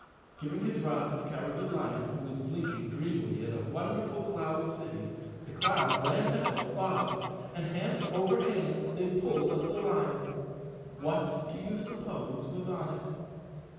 Giving his rod to the Cowardly Lion, who was blinking dreamily at a wonderful cloud city, the clown ran to help Bob, and hand over hand they pulled up the line. What do you suppose was on it?